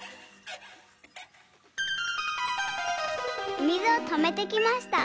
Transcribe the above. おみずをとめてきました。